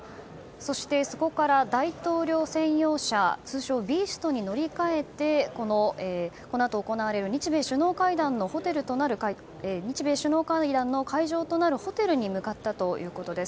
そして、そこから大統領専用車通称「ビースト」に乗り換えてこのあと行われる日米首脳会談の会場となるホテルに向かったということです。